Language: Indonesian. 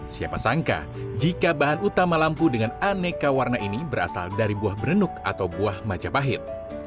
siapa sangka jika bahan utama lampu dengan aneka warna ini berasal dari buah berenuk atau buah majapahit